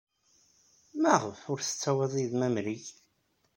Maɣef ur tettawyeḍ yid-m amrig?